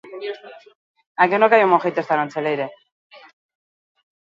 Denboraldi bukaerara arte zuzenduko du talde asturiarra.